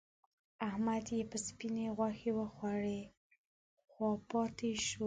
احمد چې سپينې غوښې وخوړې؛ خواپوتی شو.